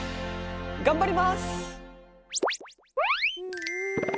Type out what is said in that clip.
頑張ります！